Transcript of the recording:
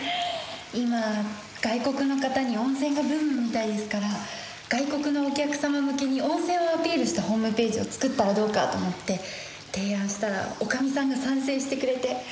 今外国の方に温泉がブームみたいですから外国のお客様向けに温泉をアピールしたホームページを作ったらどうかと思って提案したら女将さんが賛成してくれて。